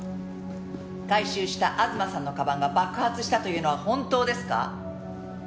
回収した東さんの鞄が爆発したというのは本当ですか？